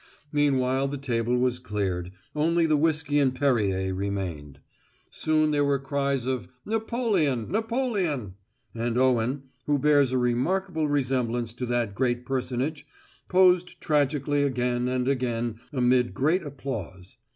Meanwhile the table was cleared, only the whiskey and Perrier remaining. Soon there were cries of "Napoleon Napoleon," and Owen, who bears a remarkable resemblance to that great personage, posed tragically again and again amid great applause.